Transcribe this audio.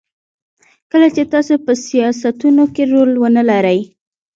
کله چې تاسو په سیاستونو کې رول ونلرئ.